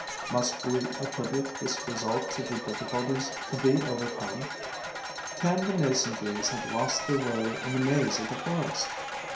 Must we attribute this result to the difficulties to be overcome? Can the Mason bees have lost their way in the maze of the forest?